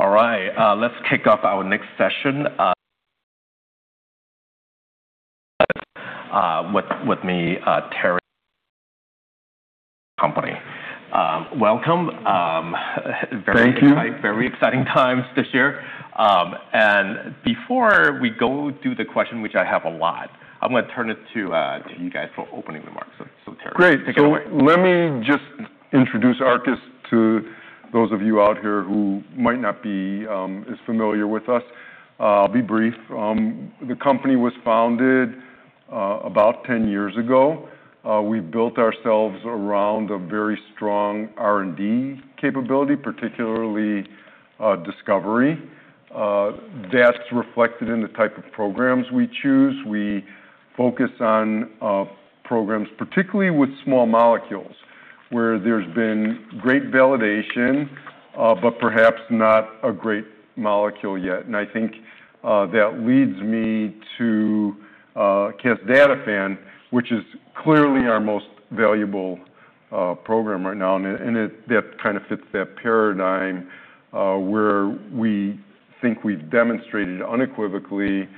All right, let's kick off our next session. with me, Terry. Arcus Biosciences Company. Welcome. Thank you. Very exciting times this year. Before we go through the questions, which I have a lot, I'm going to turn it to you guys for opening remarks. Terry, take it away. Great. Let me just introduce Arcus to those of you out here who might not be as familiar with us. I'll be brief. The company was founded about 10 years ago. We've built ourselves around a very strong R&D capability, particularly discovery. That's reflected in the type of programs we choose. We focus on programs particularly with small molecules, where there's been great validation, but perhaps not a great molecule yet. I think that leads me to casdatifan, which is clearly our most valuable program right now. That kind of fits that paradigm, where we think we've demonstrated unequivocally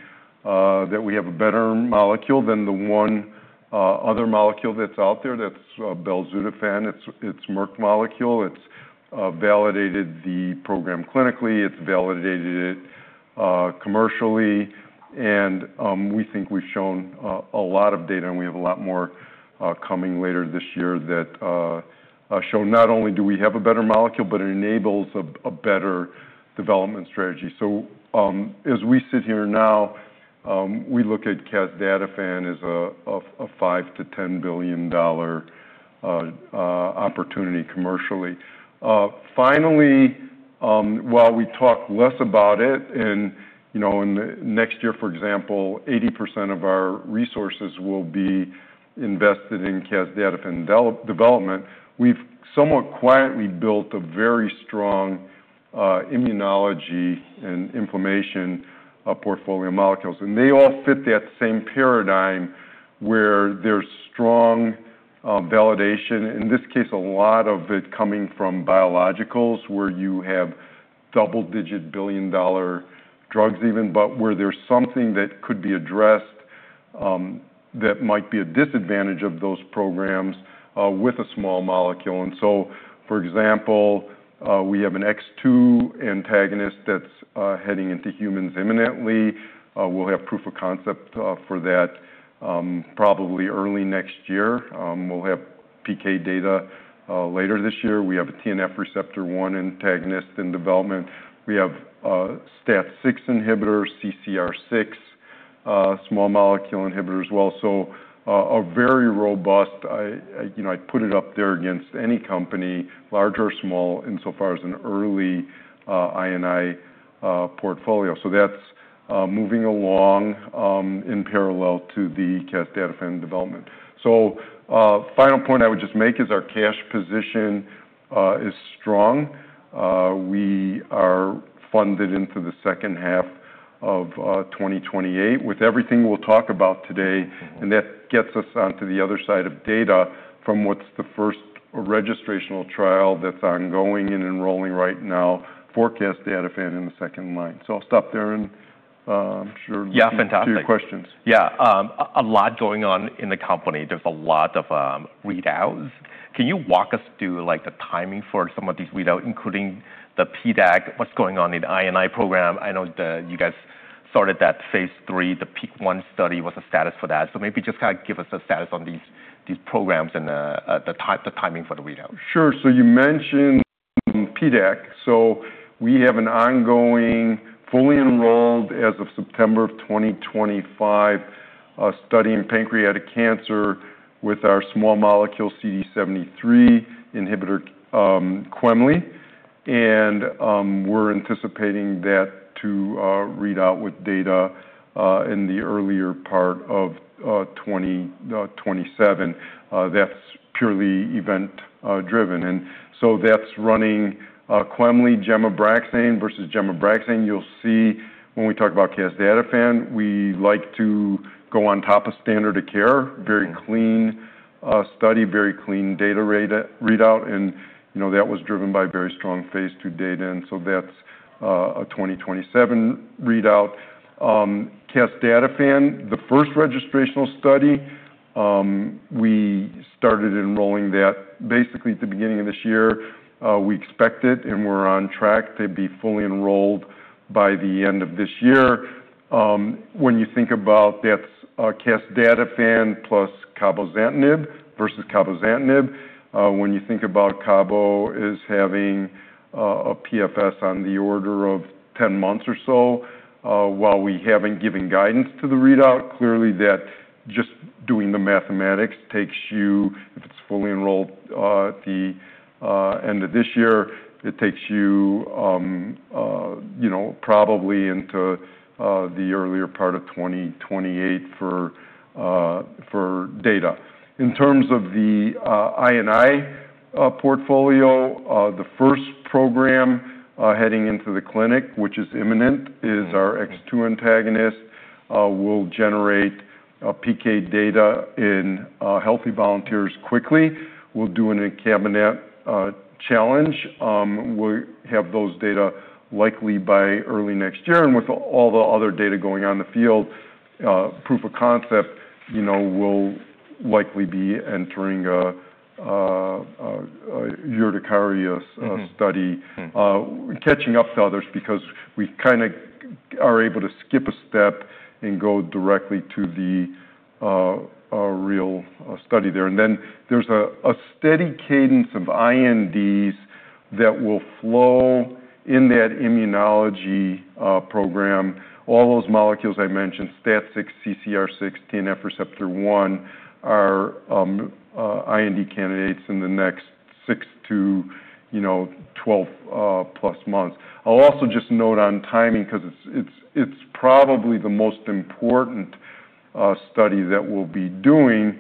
that we have a better molecule than the one other molecule that's out there. That's belzutifan. It's Merck molecule. It's validated the program clinically. It's validated it commercially. We think we've shown a lot of data, and we have a lot more coming later this year that show not only do we have a better molecule, but it enables a better development strategy. As we sit here now, we look at casdatifan as a $5 billion-$10 billion opportunity commercially. Finally, while we talk less about it, next year, for example, 80% of our resources will be invested in casdatifan development. We've somewhat quietly built a very strong immunology and inflammation portfolio of molecules, and they all fit that same paradigm where there's strong validation. In this case, a lot of it coming from biologicals, where you have double-digit billion-dollar drugs even, but where there's something that could be addressed that might be a disadvantage of those programs with a small molecule. For example, we have an A2 antagonist that's heading into humans imminently. We'll have proof of concept for that probably early next year. We'll have PK data later this year. We have a TNFR1 antagonist in development. We have a STAT6 inhibitor, CCR6, small molecule inhibitor as well. A very robust I&I portfolio. That's moving along in parallel to the casdatifan development. Final point I would just make is our cash position is strong. We are funded into the second half of 2028 with everything we'll talk about today, and that gets us onto the other side of data from what's the first registrational trial that's ongoing and enrolling right now for casdatifan in the second line. I'll stop there. Yeah, fantastic take your questions. Yeah. A lot going on in the company. There's a lot of readouts. Can you walk us through the timing for some of these readouts, including the PDAC? What's going on in I&I program? I know that you guys started that phase III, the PEAK-1 study. What's the status for that? Maybe just give us a status on these programs and the timing for the readout. Sure. You mentioned PDAC. We have an ongoing, fully enrolled as of September of 2025, study in pancreatic cancer with our small molecule CD73 inhibitor, QUEMLY. We're anticipating that to read out with data in the earlier part of 2027. That's purely event driven. That's running QUEMLY, gemcitabine versus gemcitabine. You'll see when we talk about casdatifan, we like to go on top of standard of care, very clean study, very clean data readout, and that was driven by very strong phase II data. That's a 2027 readout. Casdatifan, the first registrational study, we started enrolling that basically at the beginning of this year. We expect it, and we're on track to be fully enrolled by the end of this year. When you think about that casdatifan plus cabozantinib versus cabozantinib, when you think about cabo as having a PFS on the order of 10 months or so, while we haven't given guidance to the readout, clearly that just doing the mathematics takes you, if it's fully enrolled at the end of this year, it takes you probably into the earlier part of 2028 for data. In terms of the I&I portfolio, the first program heading into the clinic, which is imminent, is our A2 antagonist, will generate PK data in healthy volunteers quickly. We'll do an icabinnet challenge. We'll have those data likely by early next year. With all the other data going on in the field, proof of concept, we'll likely be entering a urticaria study, catching up to others because we kind of are able to skip a step and go directly to the real study there. There's a steady cadence of INDs that will flow in that immunology program. All those molecules I mentioned, STAT6, CCR6, TNF receptor 1, are IND candidates in the next 6-12+ months. I'll also just note on timing because it's probably the most important study that we'll be doing.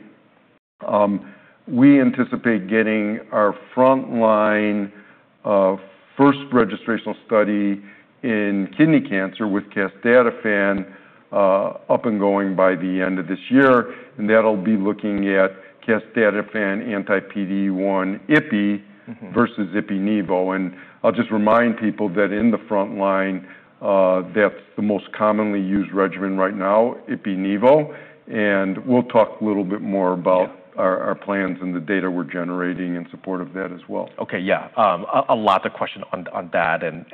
We anticipate getting our frontline first registrational study in kidney cancer with casdatifan up and going by the end of this year, and that'll be looking at casdatifan anti-PD-1 ipi versus ipi/nivo. I'll just remind people that in the frontline, that's the most commonly used regimen right now, ipi/nivo. We'll talk a little bit more about our plans and the data we're generating in support of that as well. Okay, yeah. A lot of questions on that and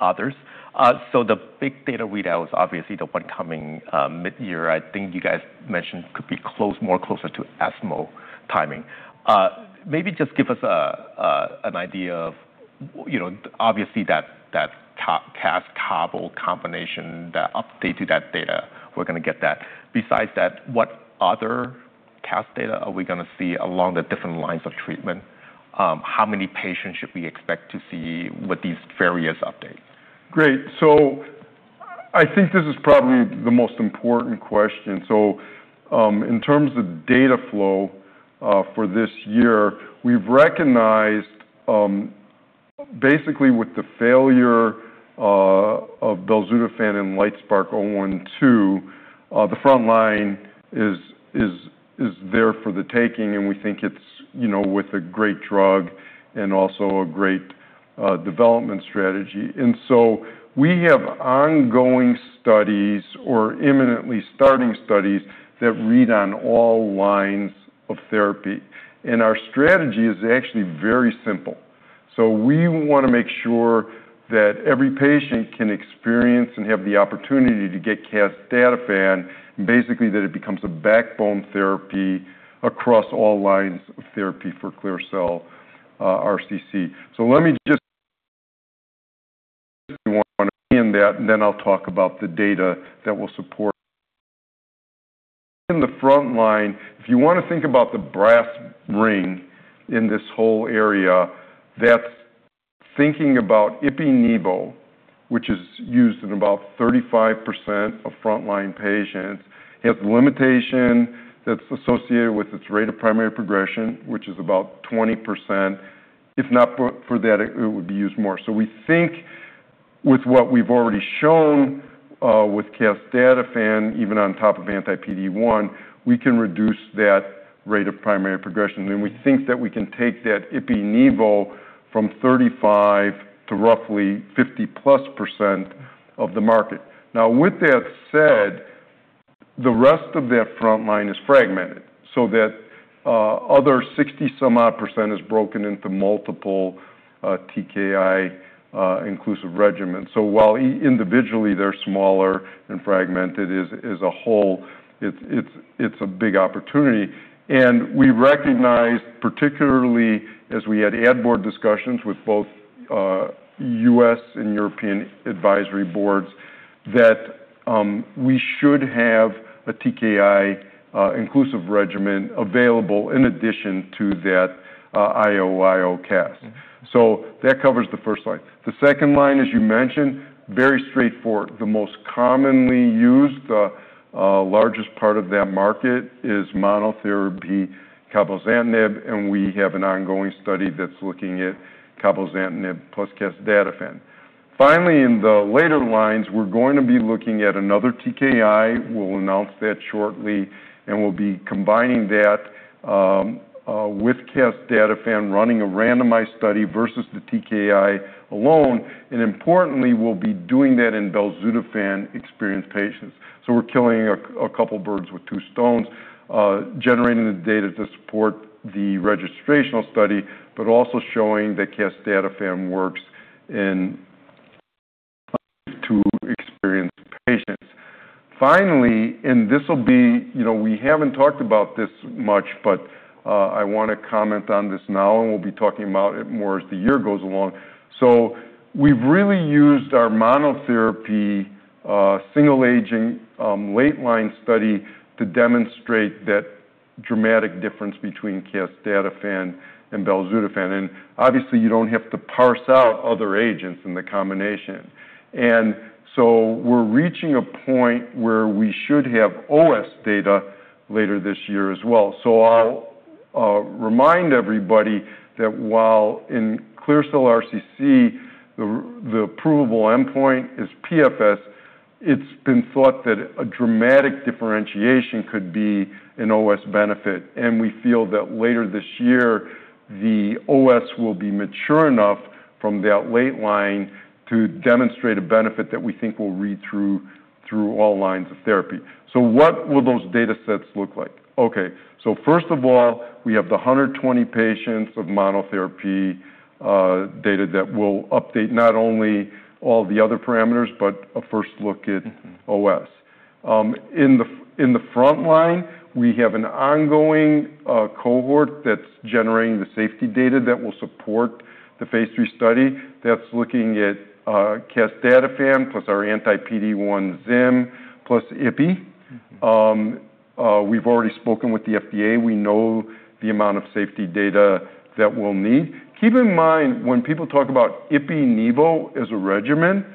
others. The big data readout was obviously the one coming mid-year, I think you guys mentioned could be more closer to ESMO timing. Maybe just give us an idea of obviously that CAS combo combination, the update to that data, we're going to get that. Besides that, what other CAS data are we going to see along the different lines of treatment? How many patients should we expect to see with these various updates? Great. I think this is probably the most important question. In terms of data flow for this year, we've recognized basically with the failure of belzutifan in LITESPARK-012, the frontline is there for the taking, and we think it's with a great drug and also a great development strategy. We have ongoing studies or imminently starting studies that read on all lines of therapy. Our strategy is actually very simple. We want to make sure that every patient can experience and have the opportunity to get casdatifan, and basically that it becomes a backbone therapy across all lines of therapy for clear cell RCC. Let me just in that, and then I'll talk about the data that will support in the frontline, if you want to think about the brass ring in this whole area, that's thinking about ipi/nivo, which is used in about 35% of frontline patients. It has a limitation that's associated with its rate of primary progression, which is about 20%. If not for that, it would be used more. We think with what we've already shown with casdatifan, even on top of anti-PD-1, we can reduce that rate of primary progression, and we think that we can take that ipi/nivo from 35% to roughly 50%+ of the market. Now, with that said, the rest of that frontline is fragmented, that other 60% some odd is broken into multiple TKI inclusive regimens. While individually they're smaller and fragmented, as a whole, it's a big opportunity. We recognized, particularly as we had ad board discussions with both U.S. and European advisory boards, that we should have a TKI inclusive regimen available in addition to that IOIO cast. That covers the first line. The second line, as you mentioned, very straightforward. The most commonly used, the largest part of that market is monotherapy cabozantinib, and we have an ongoing study that's looking at cabozantinib plus casdatifan. Finally, in the later lines, we're going to be looking at another TKI. We'll announce that shortly, and we'll be combining that with casdatifan, running a randomized study versus the TKI alone. Importantly, we'll be doing that in belzutifan-experienced patients. We're killing a couple birds with two stones, generating the data to support the registrational study, but also showing that casdatifan works in experienced patients. Finally, we haven't talked about this much, I want to comment on this now, we'll be talking about it more as the year goes along. We've really used our monotherapy single agent late line study to demonstrate that dramatic difference between casdatifan and belzutifan. Obviously, you don't have to parse out other agents in the combination. We're reaching a point where we should have OS data later this year as well. I'll remind everybody that while in clear cell RCC, the approvable endpoint is PFS, it's been thought that a dramatic differentiation could be an OS benefit. We feel that later this year, the OS will be mature enough from that late line to demonstrate a benefit that we think will read through all lines of therapy. What will those data sets look like? First of all, we have the 120 patients of monotherapy, data that will update not only all the other parameters but a first look at OS. In the front line, we have an ongoing cohort that's generating the safety data that will support the Phase III study. That's looking at casdatifan plus our anti-PD-1 Zim plus Ipi. We've already spoken with the FDA. We know the amount of safety data that we'll need. Keep in mind when people talk about Ipi-Nivo as a regimen,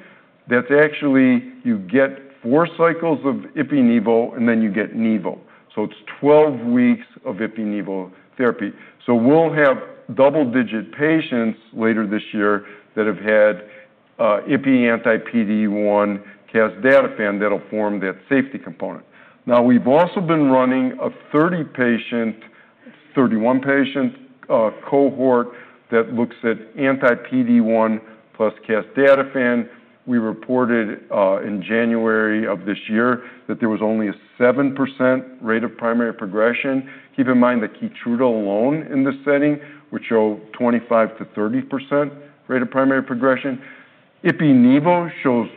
that's actually you get four cycles of Ipi-Nivo and then you get Nivo. It's 12 weeks of Ipi-Nivo therapy. We'll have double-digit patients later this year that have had Ipi anti-PD-1 casdatifan that'll form that safety component. We've also been running a 30 patient, 31 patient cohort that looks at anti-PD-1 plus casdatifan. We reported in January of this year that there was only a 7% rate of primary progression. Keep in mind that KEYTRUDA alone in this setting would show 25%-30% rate of primary progression. Ipi-Nivo shows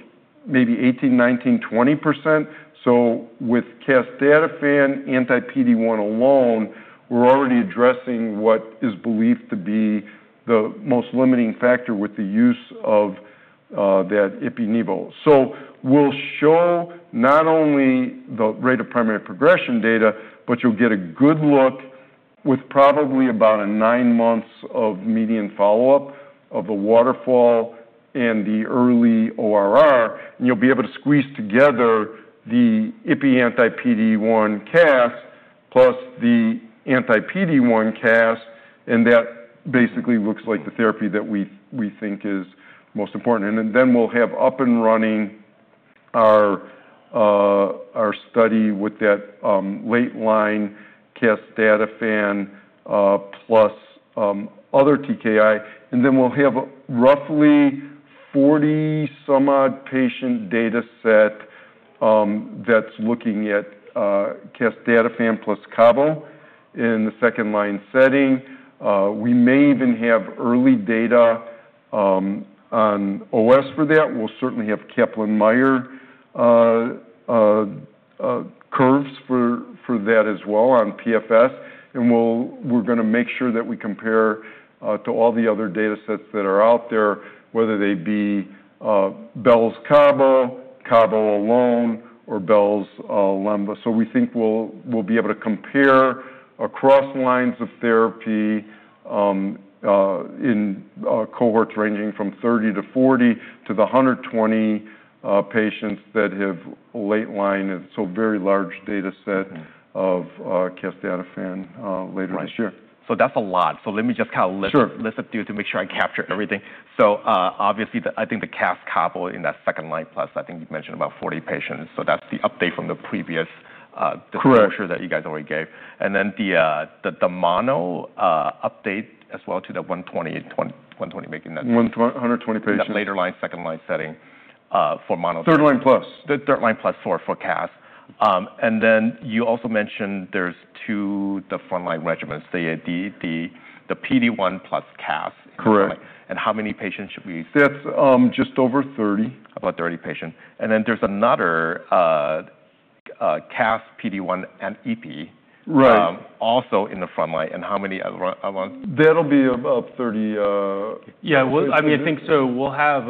maybe 18%, 19%, 20%. With casdatifan anti-PD-1 alone, we're already addressing what is believed to be the most limiting factor with the use of that Ipi-Nivo. We'll show not only the rate of primary progression data, but you'll get a good look with probably about a nine months of median follow-up of the waterfall and the early ORR, you'll be able to squeeze together the Ipi anti-PD-1 cast plus the anti-PD-1 cast, that basically looks like the therapy that we think is most important. We'll have up and running our study with that late line casdatifan plus other TKI, we'll have roughly 40 some odd patient data set that's looking at casdatifan plus cabo in the second line setting. We may even have early data on OS for that. We'll certainly have Kaplan-Meier curves for that as well on PFS, we're going to make sure that we compare to all the other data sets that are out there, whether they be bel's cabo alone, or bel's lenvatinib. We think we'll be able to compare across lines of therapy in cohorts ranging from 30 to 40 to the 120 patients that have late line, very large data set of casdatifan later this year. Right. That's a lot. Let me just kind of list- Sure list up to you to make sure I capture everything. Obviously I think the casdatifan cabo in that second line plus, I think you've mentioned about 40 patients. That's the update from the previous- Correct disclosure that you guys already gave. The mono update as well to the 120 making that- 120 patients that later line, 2nd line setting for mono- 3rd line plus The 3rd line plus for casdatifan. You also mentioned there's two, the front line regimens, the PD-1 plus casdatifan- Correct how many patients should we- That's just over 30. About 30 patients. Then there's another casdatifan PD-1 and ipilimumab. Right Also in the front line. How many? That'll be about 30. Yeah. I think so we'll have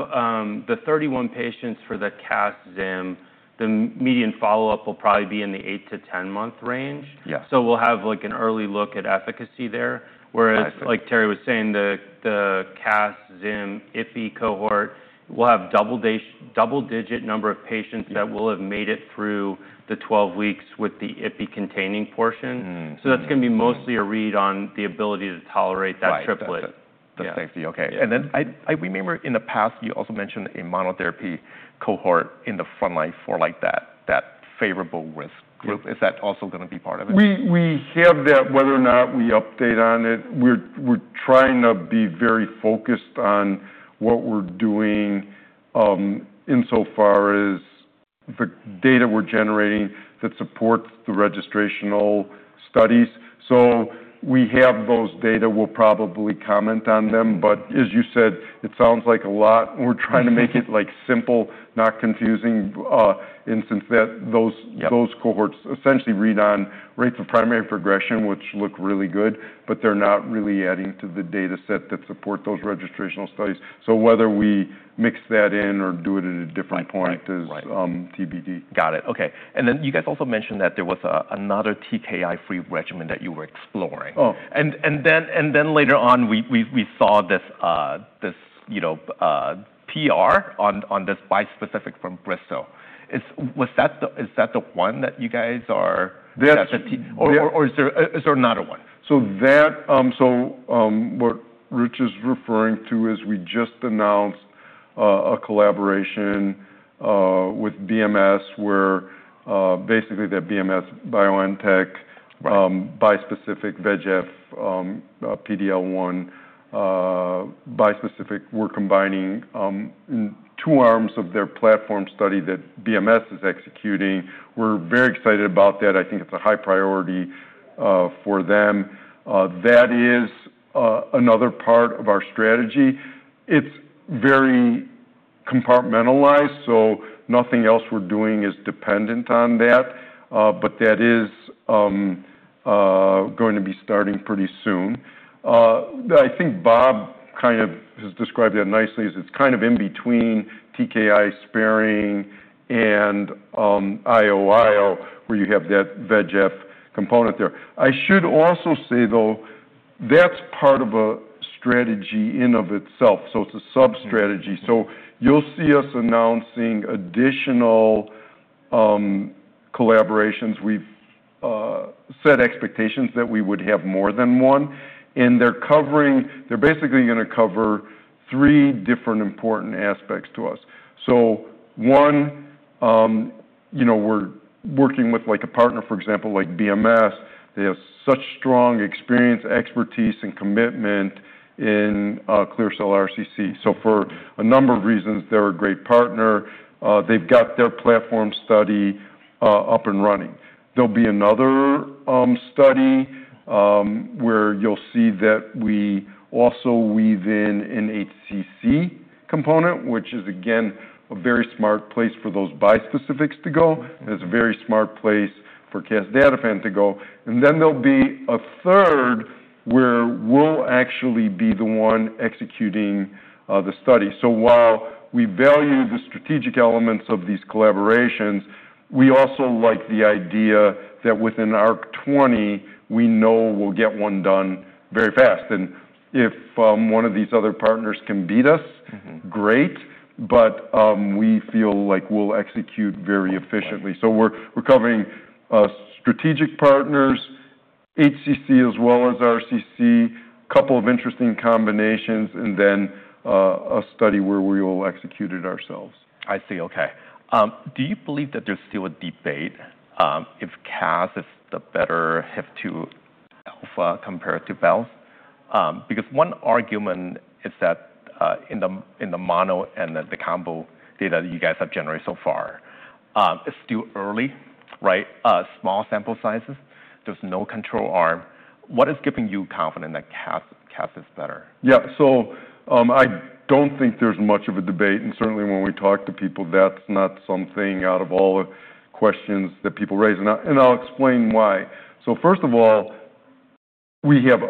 the 31 patients for the casdatifan zimberelimab. The median follow-up will probably be in the 8-10 month range. Yeah. We'll have like an early look at efficacy there, whereas like Terry was saying, the casdatifan zim ipi cohort will have double-digit number of patients that will have made it through the 12 weeks with the ipi containing portion. That's going to be mostly a read on the ability to tolerate that triplet. Right. The safety. Yeah. Okay. I remember in the past you also mentioned a monotherapy cohort in the frontline for that favorable risk group. Is that also going to be part of it? We have that whether or not we update on it. We're trying to be very focused on what we're doing insofar as the data we're generating that supports the registrational studies. We have those data, we'll probably comment on them, as you said, it sounds like a lot and we're trying to make it simple, not confusing, in the sense that those cohorts essentially read on rates of primary progression, which look really good, but they're not really adding to the dataset that support those registrational studies. Whether we mix that in or do it at a different point is TBD. Got it. Okay. You guys also mentioned that there was another TKI-free regimen that you were exploring. Oh. Later on we saw this PR on this bispecific from Bristol Myers Squibb. Is that the one that you guys are- That- Is there another one? What Rich is referring to is we just announced a collaboration with BMS, where basically that BMS BioNTech bispecific VEGF, PD-L1 bispecific, we're combining two arms of their platform study that BMS is executing. We're very excited about that. I think it's a high priority for them. That is another part of our strategy. It's very compartmentalized, so nothing else we're doing is dependent on that. That is going to be starting pretty soon. I think Bob kind of has described that nicely as it's kind of in between TKI sparing and IOIO, where you have that VEGF component there. I should also say, though, that's part of a strategy in and of itself. It's a sub-strategy. You'll see us announcing additional collaborations. We've set expectations that we would have more than one, and they're basically going to cover three different important aspects to us. One, we're working with a partner, for example, like BMS. They have such strong experience, expertise, and commitment in clear cell RCC. For a number of reasons, they're a great partner. They've got their platform study up and running. There'll be another study where you'll see that we also weave in an HCC component, which is, again, a very smart place for those bispecifics to go, and it's a very smart place for casdatifan to go. Then there'll be a third, where we'll actually be the one executing the study. While we value the strategic elements of these collaborations, we also like the idea that within ARC-20, we know we'll get one done very fast. And if one of these other partners can beat us- Great, we feel like we'll execute very efficiently. We're covering strategic partners, HCC as well as RCC, couple of interesting combinations, a study where we will execute it ourselves. I see. Okay. Do you believe that there's still a debate if CAS is the better HIF-2 alpha compared to belzutifan? Because one argument is that in the mono and the combo data that you guys have generated so far, it's still early, right? Small sample sizes. There's no control arm. What is giving you confidence that CAS is better? Yeah. I don't think there's much of a debate, and certainly when we talk to people, that's not something out of all the questions that people raise, and I'll explain why. First of all, we have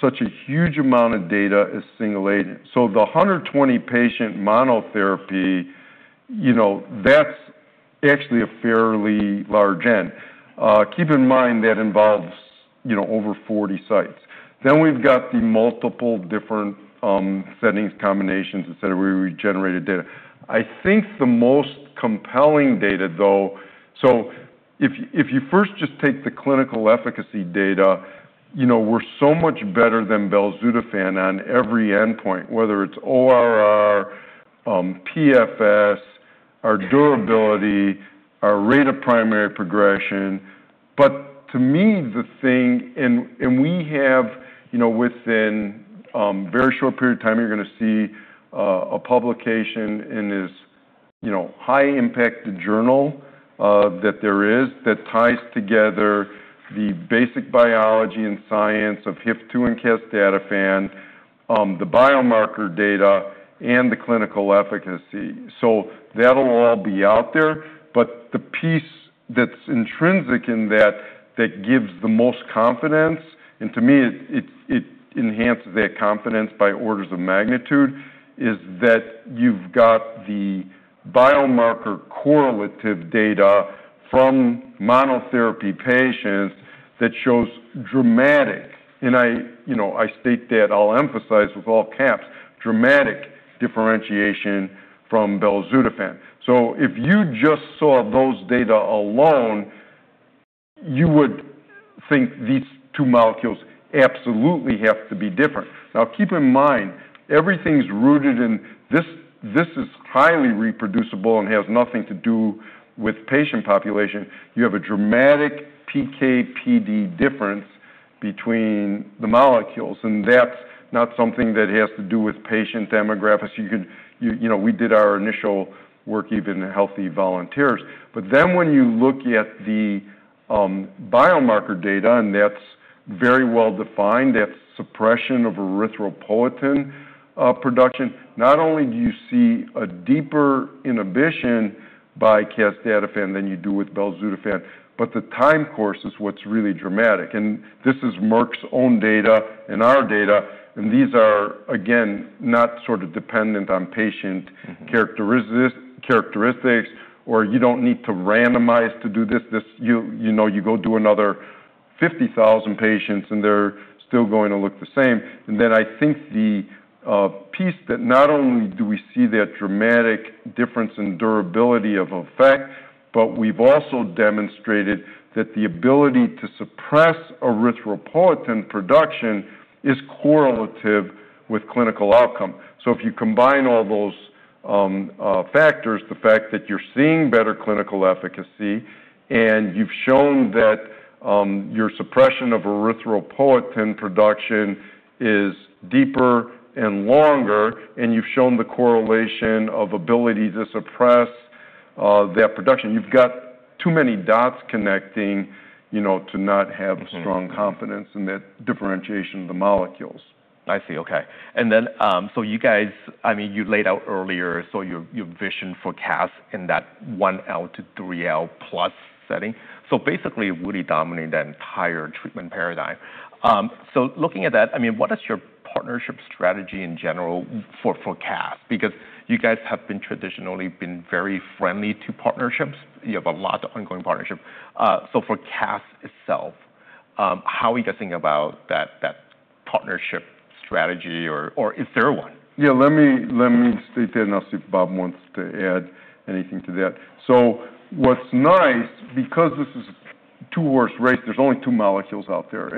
such a huge amount of data as single agent. The 120-patient monotherapy, that's actually a fairly large end. Keep in mind that involves over 40 sites. We've got the multiple different settings, combinations, et cetera, where we generated data. I think the most compelling data, though, if you first just take the clinical efficacy data, we're so much better than belzutifan on every endpoint, whether it's ORR, PFS, our durability, our rate of primary progression. To me, within a very sho rt period of time, you're going to see a publication in as high impact journal that there is, that ties together the basic biology and science of HIF-2 and casdatifan, the biomarker data, and the clinical efficacy. That'll all be out there. The piece that's intrinsic in that that gives the most confidence, and to me, it enhances that confidence by orders of magnitude, is that you've got the biomarker correlative data from monotherapy patients that shows dramatic, and I state that, I'll emphasize with all caps, dramatic differentiation from belzutifan. Keep in mind, everything's rooted in this is highly reproducible and has nothing to do with patient population. You have a dramatic PK/PD difference between the molecules, and that's not something that has to do with patient demographics. We did our initial work even in healthy volunteers. When you look at the biomarker data, and that's very well defined, that suppression of erythropoietin production, not only do you see a deeper inhibition by casdatifan than you do with belzutifan, but the time course is what's really dramatic. This is Merck's own data and our data, and these are, again, not sort of dependent on patient characteristics, or you don't need to randomize to do this. You go do another 50,000 patients, and they're still going to look the same. I think the piece that not only do we see that dramatic difference in durability of effect, but we've also demonstrated that the ability to suppress erythropoietin production is correlative with clinical outcome. If you combine all those factors, the fact that you're seeing better clinical efficacy and you've shown that your suppression of erythropoietin production is deeper and longer, and you've shown the correlation of ability to suppress that production. You've got too many dots connecting to not have strong confidence in that differentiation of the molecules. I see. Okay. You guys laid out earlier your vision for CAS in that 1L to 3L plus setting. Basically, it would dominate that entire treatment paradigm. Looking at that, what is your partnership strategy in general for CAS? You guys have traditionally been very friendly to partnerships. You have a lot of ongoing partnerships. For CAS itself, how are you guys thinking about that partnership strategy, or is there one? Yeah, let me state that, I'll see if Bob wants to add anything to that. What's nice, because this is a two-horse race, there's only two molecules out there.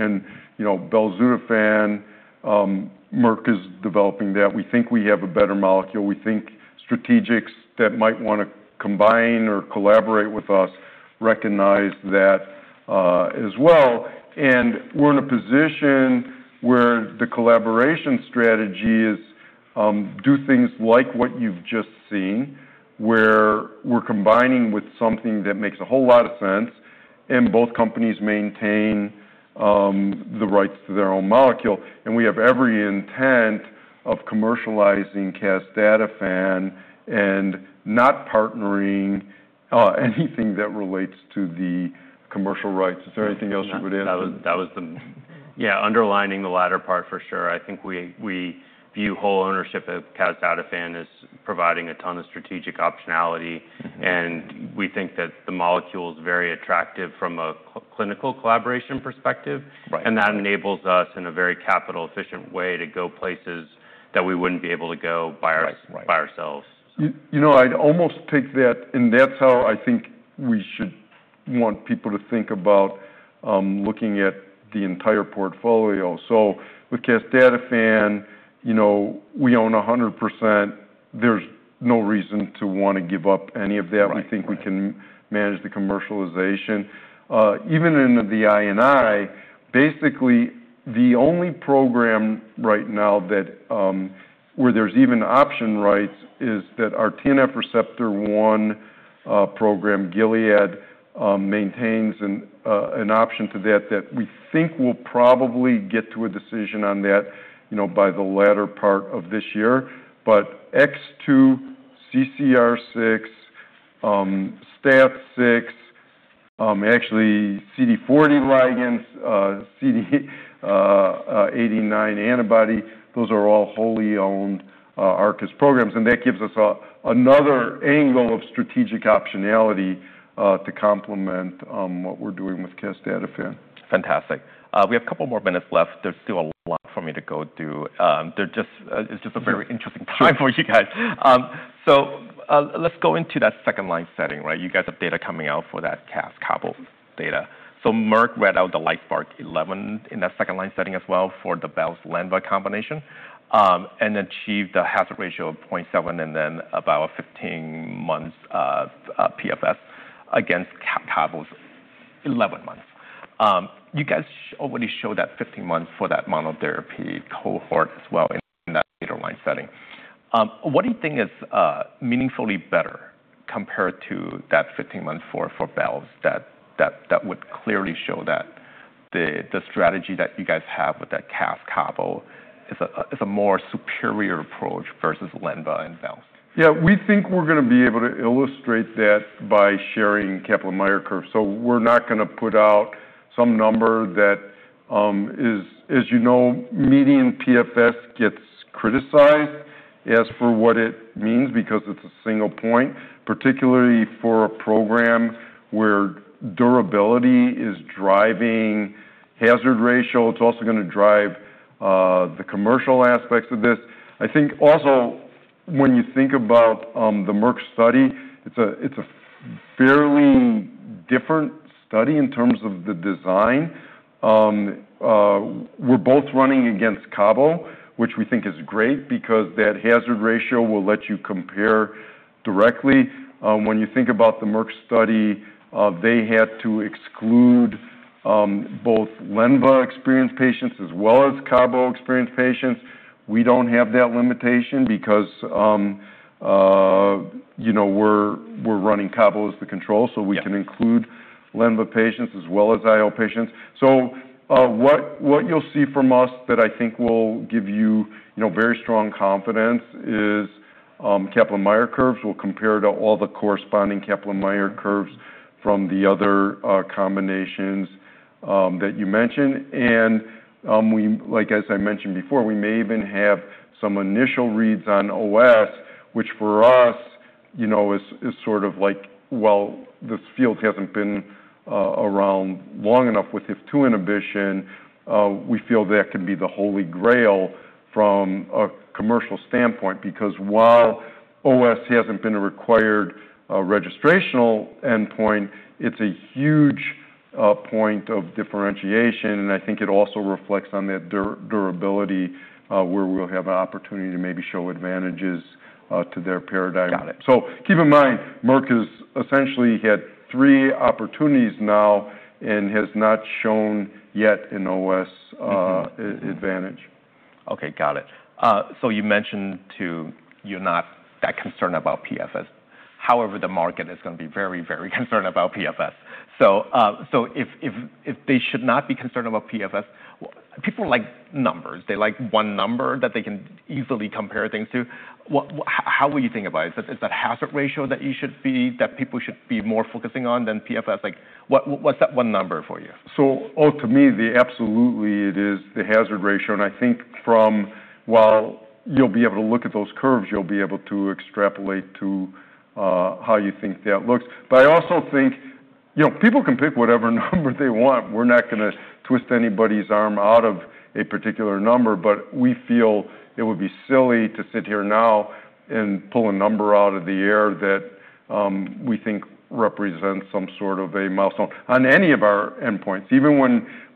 Belzutifan, Merck is developing that. We think we have a better molecule. We think strategics that might want to combine or collaborate with us recognize that as well. We're in a position where the collaboration strategy is do things like what you've just seen, where we're combining with something that makes a whole lot of sense, and both companies maintain the rights to their own molecule. We have every intent of commercializing casdatifan and not partnering anything that relates to the commercial rights. Is there anything else you would add? That was Yeah, underlining the latter part for sure. I think we view whole ownership of casdatifan as providing a ton of strategic optionality. We think that the molecule is very attractive from a clinical collaboration perspective. Right. That enables us in a very capital efficient way to go places that we wouldn't be able to go. Right by ourselves. I'd almost take that's how I think we should want people to think about looking at the entire portfolio. With casdatifan, we own 100%. There's no reason to want to give up any of that. Right. We think we can manage the commercialization. Even in the I&I, basically, the only program right now where there's even option rights is that our TNFR1 program, Gilead maintains an option to that we think we'll probably get to a decision on that by the latter part of this year. A2, CCR6, STAT6, actually CD40 ligand, CD89 antibody, those are all wholly owned Arcus programs, and that gives us another angle of strategic optionality to complement what we're doing with casdatifan. Fantastic. We have a couple more minutes left. There's still a lot for me to go through. It's just a very interesting time for you guys. Let's go into that second line setting, right? You guys have data coming out for that cas cabo data. Merck read out the LITESPARK-011 in that second line setting as well for the bel's lenva combination, and achieved a hazard ratio of 0.7 and then about 15 months of PFS against cabo's 11 months. You guys already showed that 15 months for that monotherapy cohort as well in that later line setting. What do you think is meaningfully better compared to that 15 months for bel's that would clearly show that the strategy that you guys have with that cas cabo is a more superior approach versus lenva and bel's? Yeah, we think we're going to be able to illustrate that by sharing Kaplan-Meier curve. We're not going to put out some number that is. As you know, median PFS gets criticized as for what it means because it's a single point, particularly for a program where durability is driving hazard ratio. It's also going to drive the commercial aspects of this. I think also when you think about the Merck study, it's a fairly different study in terms of the design. We're both running against cabo, which we think is great because that hazard ratio will let you compare directly. When you think about the Merck study, they had to exclude both lenva-experienced patients as well as cabo-experienced patients. We don't have that limitation because we're running cabo as the control. Yeah We can include lenvatinib patients as well as IO patients. What you'll see from us that I think will give you very strong confidence is Kaplan-Meier curves. We'll compare to all the corresponding Kaplan-Meier curves from the other combinations that you mentioned. As I mentioned before, we may even have some initial reads on OS, which for us, you know, is sort of like, well, this field hasn't been around long enough with HIF-2 inhibition. We feel that could be the Holy Grail from a commercial standpoint, because while OS hasn't been a required registrational endpoint, it's a huge point of differentiation, and I think it also reflects on that durability where we'll have an opportunity to maybe show advantages to their paradigm. Got it. Keep in mind, Merck has essentially had three opportunities now and has not shown yet an OS advantage. Okay, got it. You mentioned too, you're not that concerned about PFS. However, the market is going to be very concerned about PFS. If they should not be concerned about PFS, people like numbers. They like one number that they can easily compare things to. How will you think about it? Is that hazard ratio that people should be more focusing on than PFS? What's that one number for you? To me, absolutely it is the hazard ratio, and I think from while you'll be able to look at those curves, you'll be able to extrapolate to how you think that looks. I also think people can pick whatever number they want. We're not going to twist anybody's arm out of a particular number, we feel it would be silly to sit here now and pull a number out of the air that we think represents some sort of a milestone on any of our endpoints. Even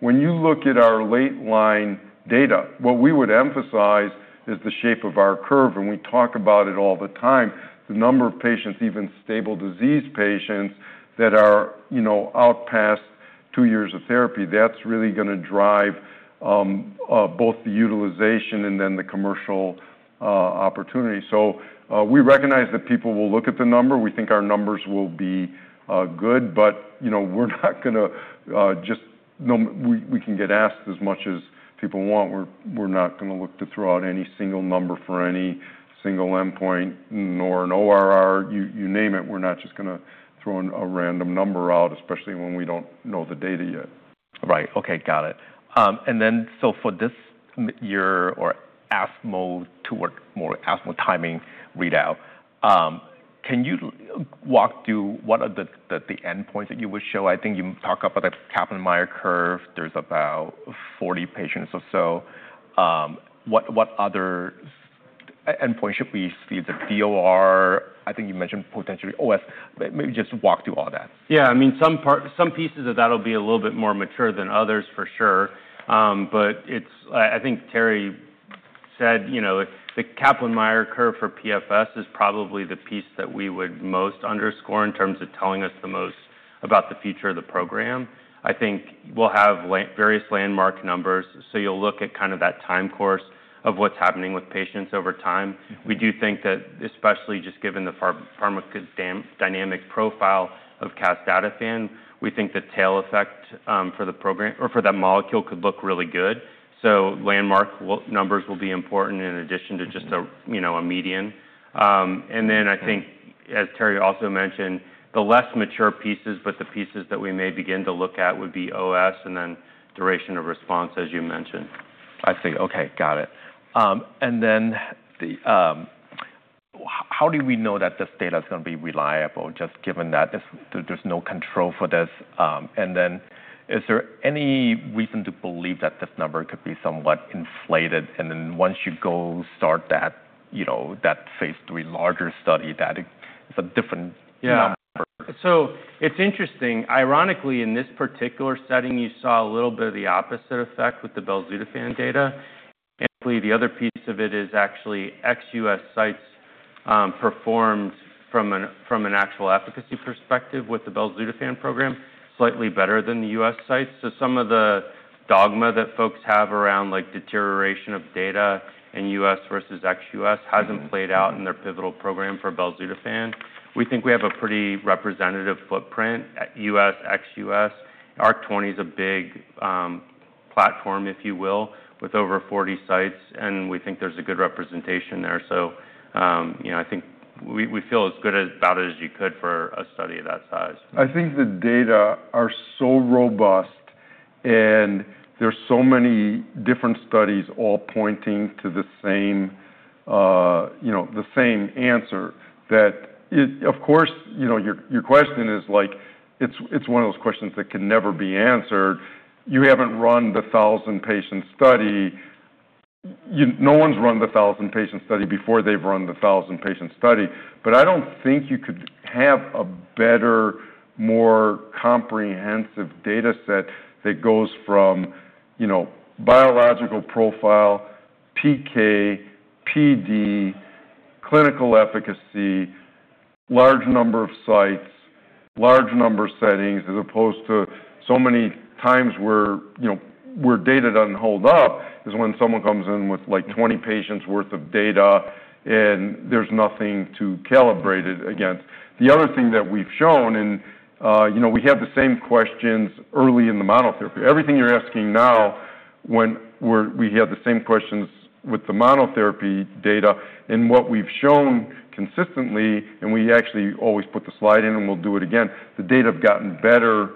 when you look at our late line data, what we would emphasize is the shape of our curve, and we talk about it all the time. The number of patients, even stable disease patients that are out past two years of therapy, that's really going to drive both the utilization the commercial opportunity. We recognize that people will look at the number. We think our numbers will be good, but we're not going to We can get asked as much as people want. We're not going to look to throw out any single number for any single endpoint nor an ORR, you name it. We're not just going to throw a random number out, especially when we don't know the data yet. Right. Okay, got it. For this year or ESMO to work more ESMO timing readout, can you walk through what are the endpoints that you would show? I think you talk about the Kaplan-Meier curve. There's about 40 patients or so. What other endpoint should we see, the DOR? I think you mentioned potentially OS, but maybe just walk through all that. Some pieces of that will be a little bit more mature than others for sure. I think Terry said the Kaplan-Meier curve for PFS is probably the piece that we would most underscore in terms of telling us the most about the future of the program. I think we'll have various landmark numbers. You'll look at that time course of what's happening with patients over time. We do think that especially just given the pharmacodynamic profile of casdatifan, we think the tail effect for the program or for that molecule could look really good. Landmark numbers will be important in addition to just a median. I think as Terry also mentioned, the less mature pieces, but the pieces that we may begin to look at would be OS and then duration of response as you mentioned. I see. Okay, got it. How do we know that this data is going to be reliable just given that there's no control for this? Is there any reason to believe that this number could be somewhat inflated and then once you go start that phase III larger study that it's a different number? Yeah. It's interesting. Ironically, in this particular setting, you saw a little bit of the opposite effect with the belzutifan data. Actually, the other piece of it is actually ex-U.S. sites performed from an actual efficacy perspective with the belzutifan program slightly better than the U.S. sites. Some of the dogma that folks have around deterioration of data in U.S. versus ex-U.S. hasn't played out in their pivotal program for belzutifan. We think we have a pretty representative footprint at U.S., ex-U.S. ARC-20 is a big platform, if you will, with over 40 sites and we think there's a good representation there. I think we feel as good as about as you could for a study of that size. I think the data are so robust and there's so many different studies all pointing to the same answer that. Of course, your question is like it's one of those questions that can never be answered. You haven't run the thousand-patient study. No one's run the thousand-patient study before they've run the thousand-patient study. I don't think you could have a better, more comprehensive data set that goes from biological profile, PK, PD, clinical efficacy, large number of sites, large number of settings as opposed to so many times where data doesn't hold up is when someone comes in with 20 patients worth of data and there's nothing to calibrate it against. The other thing that we've shown and we had the same questions early in the monotherapy. Everything you're asking now when we had the same questions with the monotherapy data and what we've shown consistently and we actually always put the slide in and we'll do it again, the data have gotten better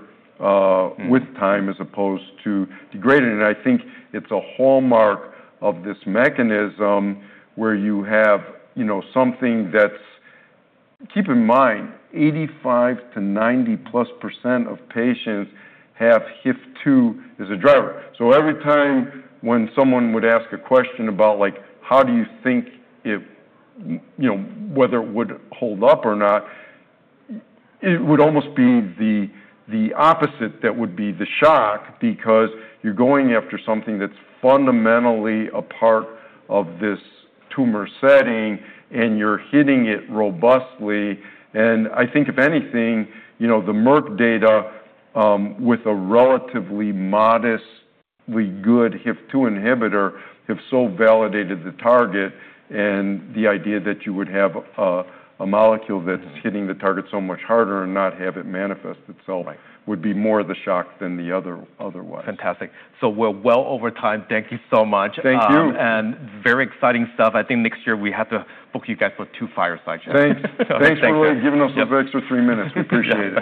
with time as opposed to degrading. I think it's a hallmark of this mechanism where you have something that's. Keep in mind, 85% to 90%+ of patients have HIF-2 as a driver. Every time when someone would ask a question about how do you think if whether it would hold up or not, it would almost be the opposite that would be the shock because you're going after something that's fundamentally a part of this tumor setting and you're hitting it robustly. I think if anything, the Merck data with a relatively modestly good HIF-2 inhibitor have so validated the target and the idea that you would have a molecule that's hitting the target so much harder and not have it manifest itself would be more the shock than the other otherwise. Fantastic. We're well over time. Thank you so much. Thank you. Very exciting stuff. I think next year we have to book you guys for two fireside chats. Thanks for giving us a extra three minutes. We appreciate it.